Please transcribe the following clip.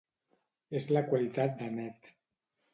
És la qualitat de net.